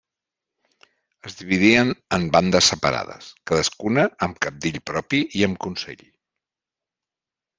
Es dividien en bandes separades, cadascuna amb cabdill propi i amb consell.